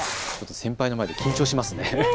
先輩の前で緊張しますね。